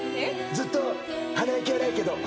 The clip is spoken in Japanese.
ずっと鼻息荒いけど。